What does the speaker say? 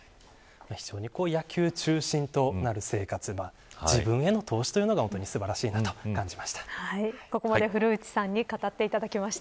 野球中心となる生活が自分への投資というのがここまで古内さんに語っていただきました。